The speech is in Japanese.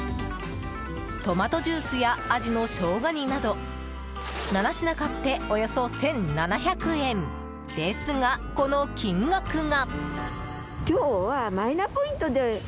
トマトジュースやアジのしょうが煮など７品買って、およそ１７００円。ですが、この金額が。